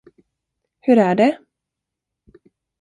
Hur är det?